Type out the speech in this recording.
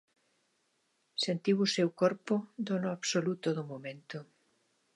Sentiu o seu corpo dono absoluto do momento.